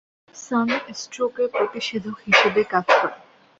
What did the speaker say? সান স্ট্রোকের প্রতিষেধক হিসেবে কাজ করে।